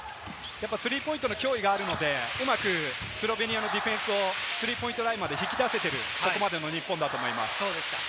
スリーポイントの脅威があるので、うまくスロベニアのディフェンスをスリーポイントラインまで引き出せている日本だと思います。